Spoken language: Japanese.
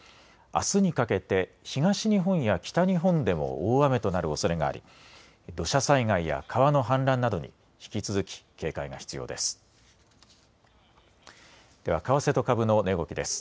あすにかけて東日本や北日本でも大雨となるおそれがあり土砂災害や川の氾濫などに引き続き警戒が必要です。